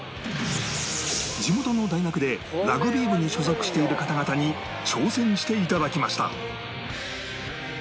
地元の大学でラグビー部に所属している方々に挑戦して頂きました